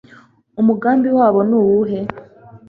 umugambi wabo ni uwuhe